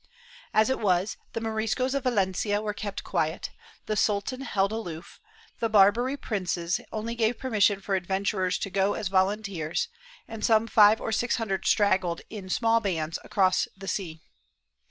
As it was, the Moriscos of Valencia were kept quiet; the Sultan held aloof; the Barbary princes only gave permission for adventurers to go as volunteers, and some five or six hundred straggled in small bands across the sea.